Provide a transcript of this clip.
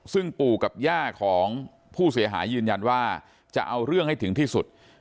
ซึ่งปู่กับย่าของผู้เสียหายยืนยันว่าจะเอาเรื่องให้ถึงที่สุด